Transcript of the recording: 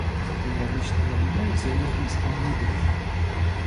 Ты обычно наблюдаешь за Олимпийскими играми?